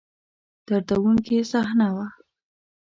دردوونکې صحنه وه.